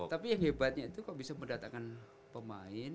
tapi yang hebatnya itu kok bisa mendatangkan pemain